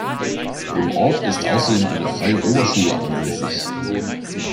Im Ort ist außerdem eine Freie Oberschule ansässig.